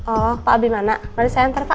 oh pak abimana boleh saya hantar pak